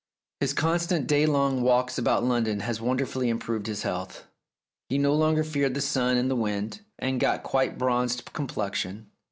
His constant day long walks about London had wonderfully improved his health ; he no longer feared the sun and the wind, and got quite bronzed in complexion.